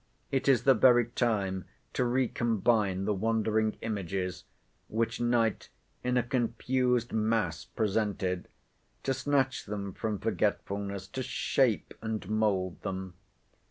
It is the very time to recombine the wandering images, which night in a confused mass presented; to snatch them from forgetfulness; to shape, and mould them.